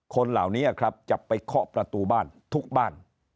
คนเหล่านี้ครับจะไปเคาะประตูบ้านทุกบ้าน